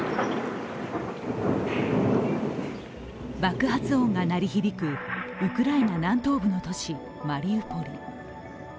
爆発音が鳴り響く、ウクライナ南東部の都市マリウポリ。